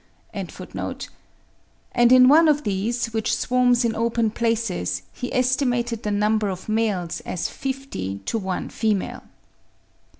'); and in one of these, which swarms in open places, he estimated the number of males as fifty to one female.